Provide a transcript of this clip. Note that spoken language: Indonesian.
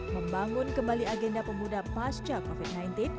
membangun kembali agenda pemuda pasca covid sembilan belas